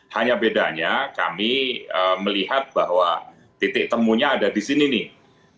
hanya bedanya kami melihat bahwa titik temunya ada di sini nih